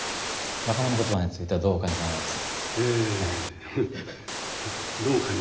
若者ことばについてはどうお感じになられます？えフッ。